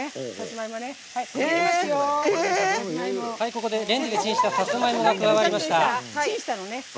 ここでレンジでチンしたさつまいもが加わりました。